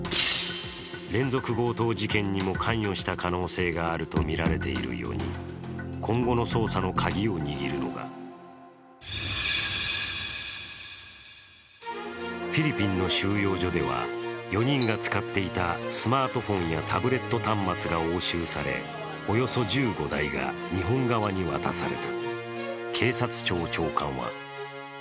連続強盗事件にも関与した可能性があるとみられている４人、今後の捜査のカギを握るのがフィリピンの収容所では４人が使っていたスマートフォンやタブレット端末が押収され、およそ１５台が日本側に渡された。